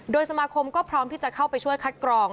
โดยสมาคมก็พร้อมที่จะเข้าไปช่วยคัดกรอง